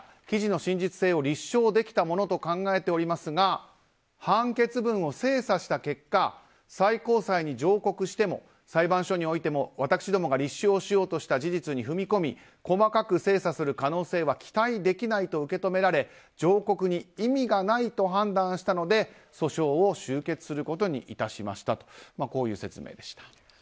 記事の真実性を立証できたものと考えておりますが判決文を精査した結果最高裁に上告しても裁判所においても私どもが立証しようとした事実に踏み込み細かく精査する可能性は期待できないと受け止められ上告に意味がないと判断したので訴訟を終結することに致しましたという説明でした。